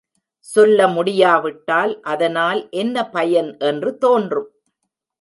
சொல்ல முடியாவிட்டால் அதனால் என்ன பயன் என்று தோன்றும்.